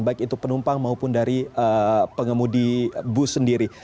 baik itu penumpang maupun dari pengemudi bus sendiri